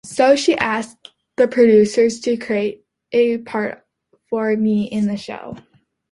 So she asked the producers to create a part for me in the show.